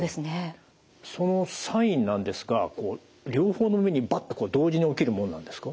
そのサインなんですが両方の耳にバッと同時に起きるものなんですか？